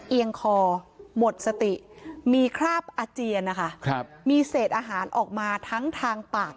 เอียงคอหมดสติมีคราบอาเจียนนะคะมีเศษอาหารออกมาทั้งทางปาก